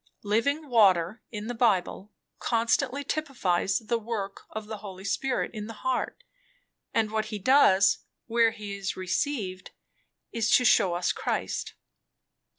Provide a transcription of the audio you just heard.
Living water, in the Bible, constantly typifies the work of the Holy Spirit in the heart; and what He does, where he is received, is, to shew us Christ."